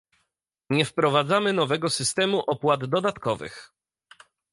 Nie wprowadzamy nowego systemu opłat dodatkowych